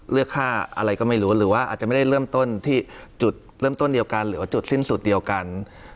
เลือกค่าอะไรก็ไม่รู้หรือว่าอาจจะไม่ได้เริ่มต้นที่จุดเริ่มต้นเดียวกันหรือว่าจุดสิ้นสุดเดียวกัน